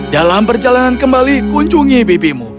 dalam perjalanan kembali kunjungi bibimu